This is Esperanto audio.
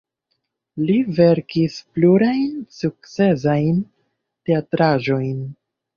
Li verkis plurajn sukcesajn teatraĵojn.